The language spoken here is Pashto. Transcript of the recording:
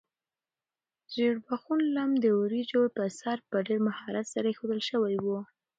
ژیړبخون لم د وریجو په سر په ډېر مهارت سره ایښودل شوی و.